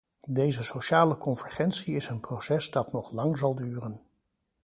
Deze sociale convergentie is een proces dat nog lang zal duren.